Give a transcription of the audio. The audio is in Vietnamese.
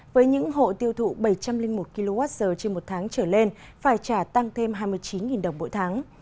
với những hộ tiêu thụ bảy trăm linh một kwh trên một tháng trở lên phải trả tăng thêm hai mươi chín đồng mỗi tháng